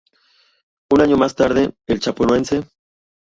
Un año más tarde, al Chapecoense.